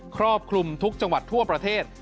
ครอบคลุมทุกจังหวัดทั่วประเทศ